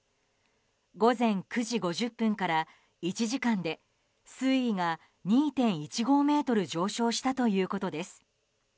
午前９時５０分から１時間で水位が２．１５ｍ上昇したということです。